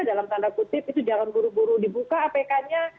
dalam tanda kutip itu jangan buru buru dibuka apk nya